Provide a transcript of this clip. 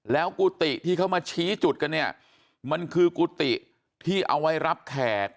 แล้วกุฏิที่เขามาชี้จุดกันเนี่ยมันคือกุฏิที่เอาไว้รับแขก